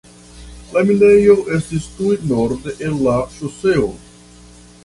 La minejo estis tuj norde el la ŝoseo.